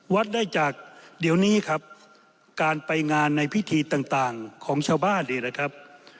วัดได้จากเดี๋ยวนี้ครับการไปงานในพิธีต่างของชาวบ้านเนี่ยนะครับ